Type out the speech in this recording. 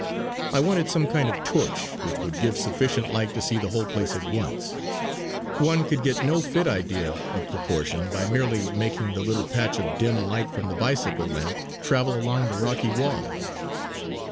I wanted some kind of torch which would give sufficient light to see the whole place at once. One could get no fit idea of proportion by merely making the little patch of dim light from the bicycle lamp travel along the rocky walls.